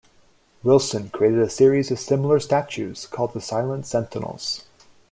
Wilson created a series of similar statues called the Silent Sentinels.